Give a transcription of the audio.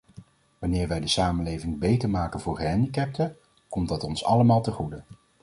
Wanneer wij de samenleving beter maken voor gehandicapten, komt dat ons allemaal ten goede.